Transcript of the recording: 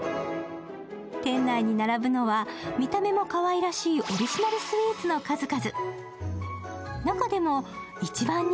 店内に並ぶのは見た目もかわいいオリジナルスイーツの数々。